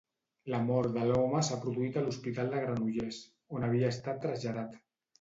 La mort de l'home s'ha produït a l'Hospital de Granollers, on havia estat traslladat.